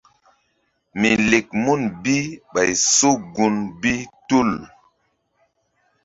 Mi lek mun bi ɓay so gun bi tul.